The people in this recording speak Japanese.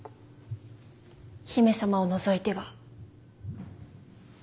姫様を除いては。